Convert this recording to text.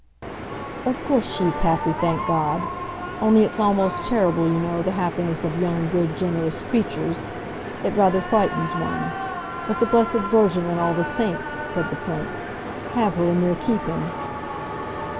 "Of course she's happy, thank God! Only it's almost terrible, you know, the happiness of young, good, generous creatures. It rather frightens one. But the Blessed Virgin and all the Saints," said the Prince, "have her in their keeping."